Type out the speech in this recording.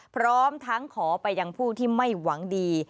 พร้อมทั้งขอไปยังผู้ที่ไม่หวังดี